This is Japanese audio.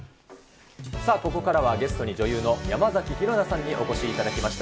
さあ、ここからは、ゲストに女優の山崎紘菜さんにお越しいただきました。